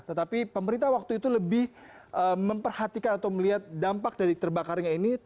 tetapi pemerintah waktu itu lebih memperhatikan atau melihat dampak dari terbakarnya ini